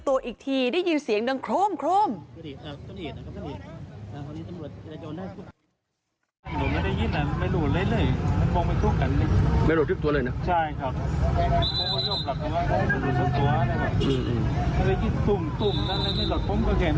ไม่รู้สึกตัวเลยนะใช่ครับ